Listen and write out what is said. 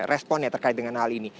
respon yang terkait dengan hal ini